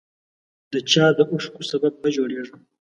د چا د اوښکو سبب مه جوړیږه